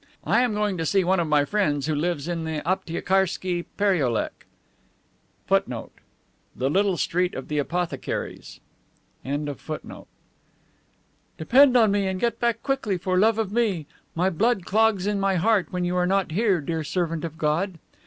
I am going to see one of my friends who lives in the Aptiekarski pereolek." The little street of the apothecaries. "Depend on me, and get back quickly for love of me. My blood clogs in my heart when you are not here, dear servant of God."